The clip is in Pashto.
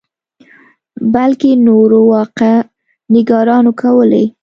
بلکې نورو واقعه نګارانو کولې.